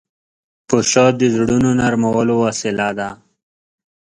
پسه د زړونو نرمولو وسیله ده.